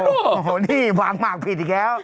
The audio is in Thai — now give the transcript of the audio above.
โอ้โหนี่วางหมากผิดอีกแล้ว